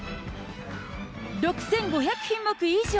６５００品目以上。